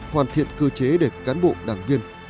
hoàn thiện cơ chế để cán bộ đảng viên